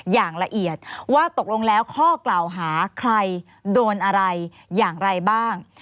อย่างละเอียดว่าตกลงแล้วข้อกล่าวหาใครโดนอะไรอย่างไรบ้าง